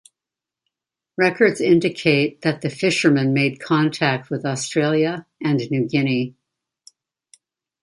Records indicate that the fisherman made contact with Australia and New Guinea.